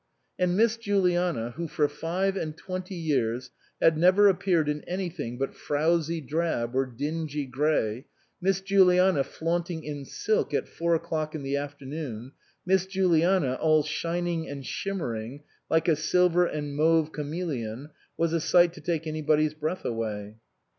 And Miss Juliana, who for five and twenty years had never appeared in anything but frowsy drab or dingy grey, Miss Juliana flaunting in silk at four o'clock in the afternoon, Miss Juliana, all shining and shimmering like a silver and mauve chameleon, was a sight to take anybody's breath away.